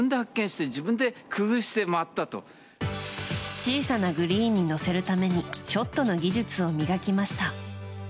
小さなグリーンに乗せるためにショットの技術を磨きました。